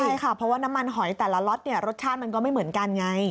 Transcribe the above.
ใช่ค่ะเพราะว่าน้ำมันหอยแต่ละล็อตเนี่ยรสชาติมันก็ไม่เหมือนกันไง